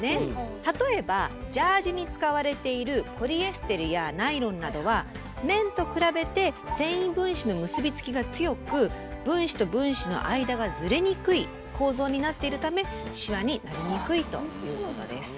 例えばジャージに使われているポリエステルやナイロンなどは綿と比べて繊維分子の結びつきが強く分子と分子の間がズレにくい構造になっているためシワになりにくいということです。